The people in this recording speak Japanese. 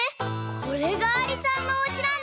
これがありさんのおうちなんだ。